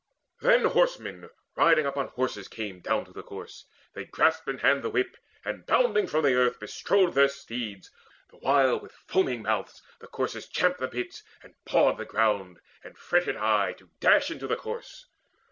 Then horsemen riding upon horses came Down to the course: they grasped in hand the whip And bounding from the earth bestrode their steeds, The while with foaming mouths the coursers champed The bits, and pawed the ground, and fretted aye To dash into the course.